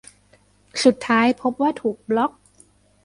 สุดท้ายพบว่าถูกบล็อค